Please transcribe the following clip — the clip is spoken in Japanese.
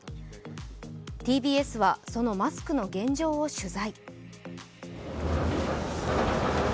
ＴＢＳはそのマスクの現状を取材。